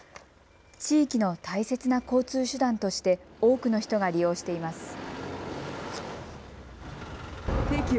地域の大切な交通手段として多くの人が利用しています。